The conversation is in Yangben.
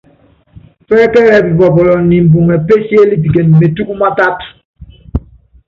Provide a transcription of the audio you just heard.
Pɛ́kɛlɛ pipɔpɔlɔ nimbuŋɛ pésiélipikene metúkú mátátu.